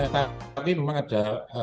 tapi memang ada